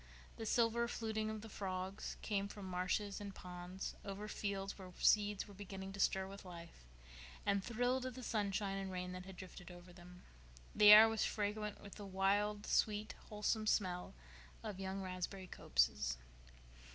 The silver fluting of the frogs came from marshes and ponds, over fields where seeds were beginning to stir with life and thrill to the sunshine and rain that had drifted over them. The air was fragrant with the wild, sweet, wholesome smell of young raspberry copses.